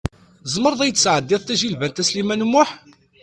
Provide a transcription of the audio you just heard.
Tzemreḍ i yi-d-tesɛeddiḍ tajilbant, a Sliman U Muḥ?